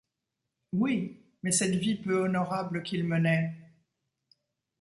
Oui, mais cette vie peu honorable qu’il menait ?